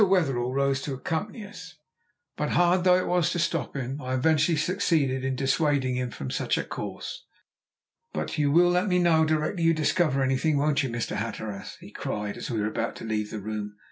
Wetherell rose to accompany us, but hard though it was to stop him I eventually succeeded in dissuading him from such a course. "But you will let me know directly you discover anything, won't you, Mr. Hatteras?" he cried as we were about to leave the room.